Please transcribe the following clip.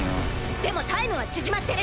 でもタイムは縮まってる。